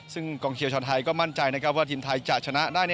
ซึ่งกองเชียร์ชาวไทยก็มั่นใจนะครับว่าทีมไทยจะชนะได้